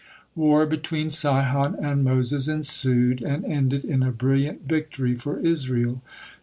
War between Sihon and Moses ensued, and ended in a brilliant victory for Israel.